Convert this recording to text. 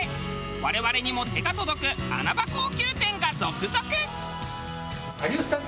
我々にも手が届く穴場高級店が続々！